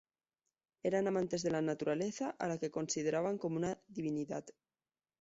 Eran amantes de la naturaleza, a la que consideraban como una divinidad.